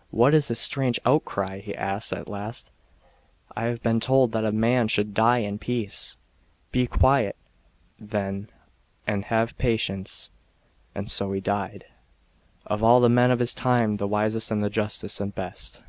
" What is this strange outcry ?" he asked at last. " I have be^n told that a man should die in peace. Be quiet, then, and have patience." And so he died, "of all the men of his time, the wisest and justest and best."